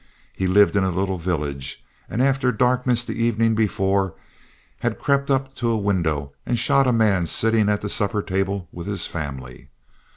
He lived in a little village, and after darkness the evening before, had crept up to a window and shot a man sitting at the supper table with his family.